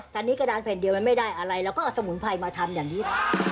ตอนนี้กระดานแผ่นเดียวมันไม่ได้อะไรเราก็เอาสมุนไพรมาทำอย่างนี้